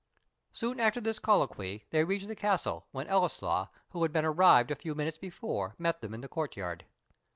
Soon after this colloquy they reached the castle, when Ellieslaw, who had been arrived a few minutes before, met them in the court yard.